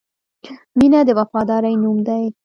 • مینه د وفادارۍ نوم دی.